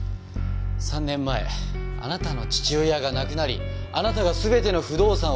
３年前あなたの父親が亡くなりあなたが全ての不動産を引き継いだ年です。